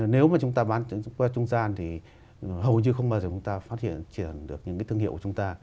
nếu mà chúng ta bán qua trung gian thì hầu như không bao giờ chúng ta phát triển chuyển được những cái thương hiệu của chúng ta